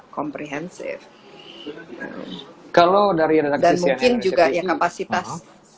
komprehensif kalau dari dan mungkin juga yang kapasitas